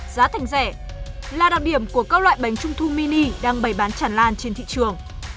giá thành rẻ là đặc điểm của các loại bánh trung thu mini đang bày bán chẳng lan trên thị trường